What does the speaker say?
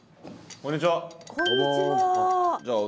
こんにちは。